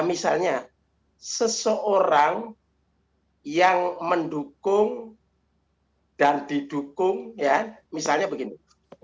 misalnya seseorang yang mendukung dan didukung ya misalnya begini